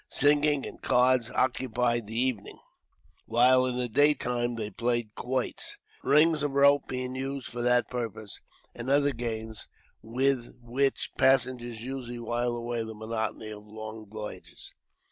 Singing and cards occupied the evenings, while in the daytime they played quoits, rings of rope being used for that purpose, and other games with which passengers usually wile away the monotony of long voyages.